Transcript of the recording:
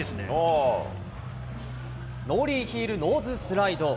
ノーリーヒールノーズスライド。